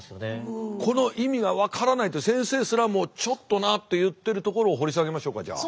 この意味が分からないという先生すらもちょっとなって言ってるところを掘り下げましょうか。